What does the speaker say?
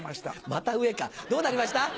また上かどうなりました？